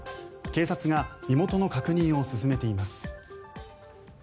警察が身元の確認を進めています。